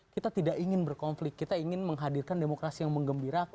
kita ingin berkonflik kita ingin menghadirkan demokrasi yang menggembirakan